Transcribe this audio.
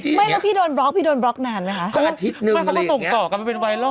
ฉันเป็นคนที่โดนบ๊อกบ่อยที่สุดในประเทศไทยเธอ